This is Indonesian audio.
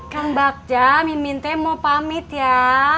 kang bakja mimin teh mau pamit ya